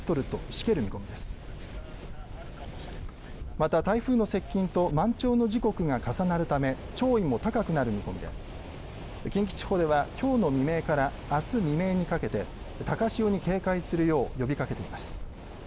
また、台風の接近と満潮の時刻が重なるため潮位も高くなる見込みで近畿地方ではきょうの未明からあす未明にかけて高潮に警戒するよう呼びかけています。